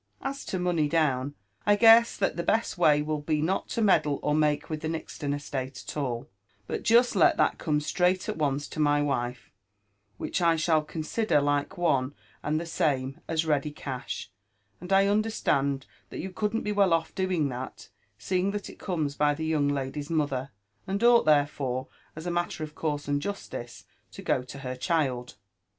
As to money down, I guess that the best way will be not to meddle or make with the Nixton estate at all, but just let that come straight at once to my wife, which I shall consider like one and the same as ready cash ; and I understand that you couldn't be well off doing that, seeing thai it comes by the young lady'swother, and ought therefore, as matter of course and justice, to go to her child.